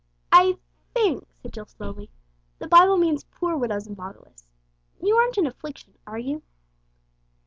"I think," said Jill slowly, "the Bible means poor widows and fatherless. You aren't in affliction, are you?"